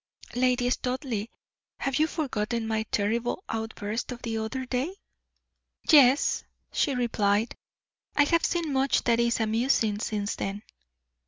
"Lady Studleigh, have you forgotten my terrible outburst of the other day?" "Yes," she replied; "I have seen much that is amusing since then."